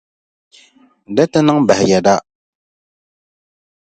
Di ti niŋ bahi yɛda.